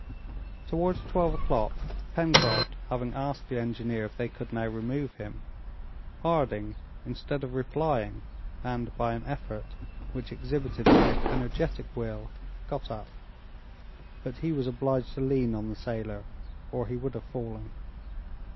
Towards twelve o'clock, Pencroft having asked the engineer if they could now remove him, Harding, instead of replying, and by an effort which exhibited the most energetic will, got up. But he was obliged to lean on the sailor, or he would have fallen.